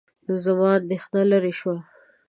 زما اندېښنه لیرې شوه.